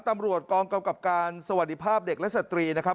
ตำรวจกองกำกับการสวัสดีภาพเด็กและสตรีนะครับ